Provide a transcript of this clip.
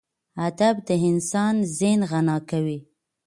ادب د انسان ذهن غنا کوي.